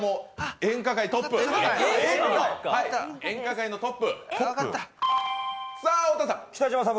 演歌界のトップ！